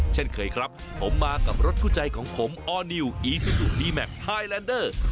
เช่นเคยครับผมมากับรถคู่ใจของผมออร์นิวอีซูซูดีแมคไฮแลนเดอร์